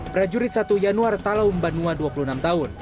prajurit satu januari talaw mbanua dua puluh enam tahun